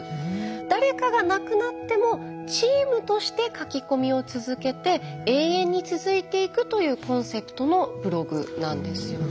誰かが亡くなってもチームとして書き込みを続けて永遠に続いていくというコンセプトのブログなんですよね。